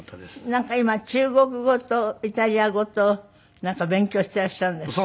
なんか今中国語とイタリア語と勉強していらっしゃるんですって？